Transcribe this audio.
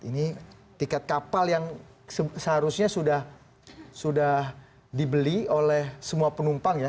ini tiket kapal yang seharusnya sudah dibeli oleh semua penumpang ya